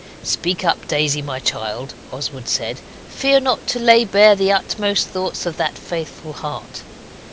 'Speak up, Daisy, my child.' Oswald said; 'fear not to lay bare the utmost thoughts of that faithful heart.